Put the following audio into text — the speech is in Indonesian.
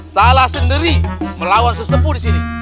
salah sendiri melawan sesepu disini